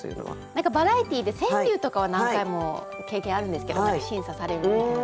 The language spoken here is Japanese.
何かバラエティーで川柳とかは何回も経験あるんですけども審査されるみたいな。